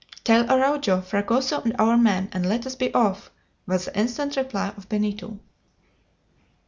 "Tell Araujo, Fragoso, and our men, and let us be off," was the instant reply of Benito.